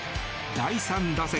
第３打席。